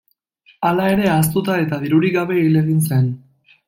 Hala ere, ahaztuta eta dirurik gabe hil egin zen.